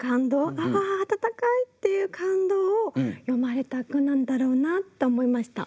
あああたたかいっていう感動を詠まれた句なんだろうなと思いました。